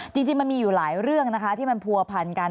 จริงมันมีอยู่หลายเรื่องนะคะที่มันผัวพันกัน